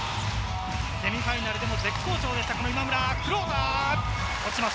セミファイナルでも絶好調でした、この今村。